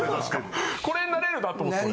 これになれるなと思って。